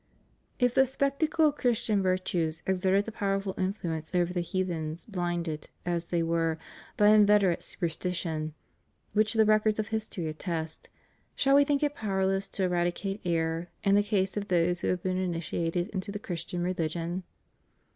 If the spectacle of Christian virtues exerted the powerful influence over the heathens blinded, as they weie, by inveterate superstition, which the records of history attest, shall we think it powerless to eradicate error in the case of those who have been initiated into the Christian religion?